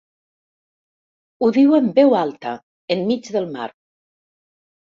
Ho diu en Veu alta, enmig del mar.